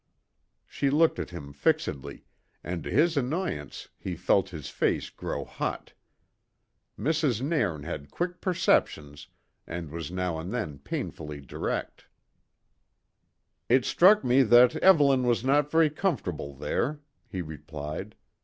She looked at him fixedly, and to his annoyance he felt his face grow hot. Mrs. Nairn had quick perceptions, and was now and then painfully direct. "It struck me that Evelyn was not very comfortable there," he replied.